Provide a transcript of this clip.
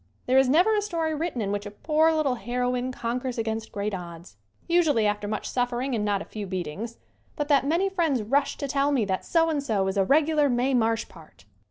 There is never a story written in which a poor, little heroine conquers against great odds usually after much suffering and not a few beatings but that many friends rush to tell me that so and so is "a regular Mae Marsh part."